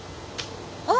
あ！